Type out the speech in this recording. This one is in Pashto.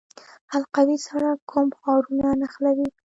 حلقوي سړک کوم ښارونه نښلوي؟